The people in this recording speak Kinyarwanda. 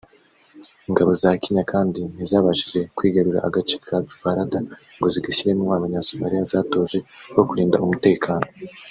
Ingabo za Kenya kandi ntizabashije kwigarurira agace ka Jubaland ngo zigashyiremo Abanyasomaliya zatoje bo kurinda umutekano